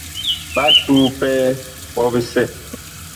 Ɓa tuu pɛɛ ɓɔ bisɛ.